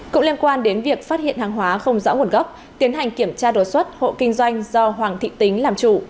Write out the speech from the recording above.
cũng liên quan đến việc phát hiện hàng hóa không rõ nguồn gốc tiến hành kiểm tra đồ xuất hộ kinh doanh do hoàng thị tính làm chủ